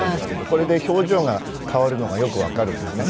これで表情が変わるのがよくわかるんですね。